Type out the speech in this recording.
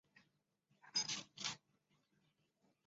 这和照镜子时左右对调的性质有关。